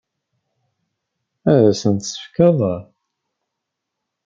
Ad asent-t-tefkeḍ?